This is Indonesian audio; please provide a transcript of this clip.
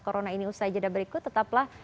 corona ini usai jeda berikut tetaplah